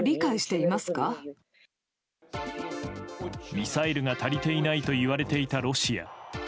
ミサイルが足りていないといわれていたロシア。